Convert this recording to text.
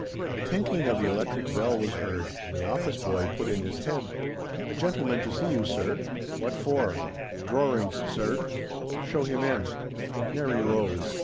A tinkling of the electric bell was heard, and the office boy put in his head. " A gentleman to see you, sir." " What for ?"" Drorings, sir." " Show him in." Mary rose.